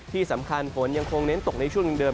ที่สำคัญฝนยังคงเน้นตกในช่วงเดิม